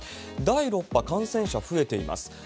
第６波、感染者増えています。